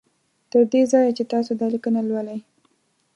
تر دې ځایه چې تاسو دا لیکنه لولی